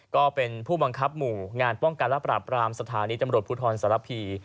ก็เป็นผู้บังคับหมู่งานป้องกันและปราบรามสถานีตำรวจภูทรสารพี